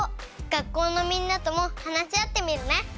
学校のみんなとも話し合ってみるね。